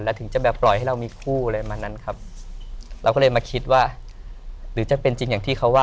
ถึงจะแบบปล่อยให้เรามีคู่อะไรมานั้นครับเราก็เลยมาคิดว่าหรือจะเป็นจริงอย่างที่เขาว่า